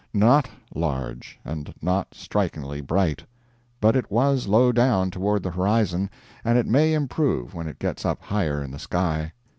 Not large, and not strikingly bright. But it was low down toward the horizon, and it may improve when it gets up higher in the sky.